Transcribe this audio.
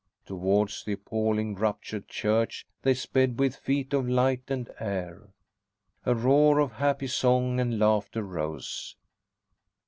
Towards the appalling, ruptured church they sped with feet of light and air. A roar of happy song and laughter rose.